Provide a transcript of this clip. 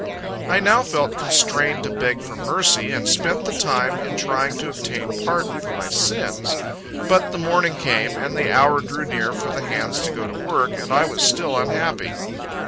I now felt constrained to beg for mercy, and spent the time in trying to obtain pardon for my sins. But the morning came, and the hour drew near for the hands to go to work, and I was still unhappy.